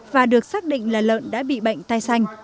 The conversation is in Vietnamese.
và được xác định là lợn đã bị bệnh tai xanh